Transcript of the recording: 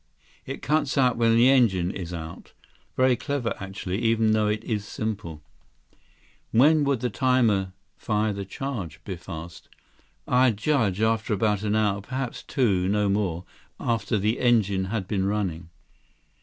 It cuts out when the engine is out. Very clever, actually, even though it is simple." "When would the timer fire the charge?" Biff asked. "I'd judge after about an hour, perhaps two—no more—after the engine had been running."